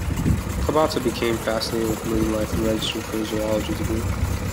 Kabata became fascinated with marine life and registered for a zoology degree.